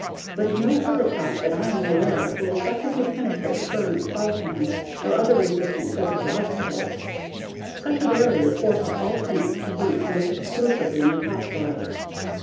But no cover crop that I am aware of will effectively penetrate firm plowpan or other resistant physical obstacles. Such a barrier forces all plants to root almost exclusively in the topsoil.